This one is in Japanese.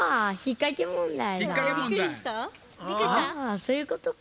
あそういうことか。